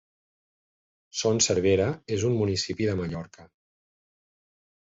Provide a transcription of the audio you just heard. Son Servera és un municipi de Mallorca.